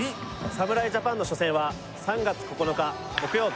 侍ジャパンの初戦は３月９日木曜日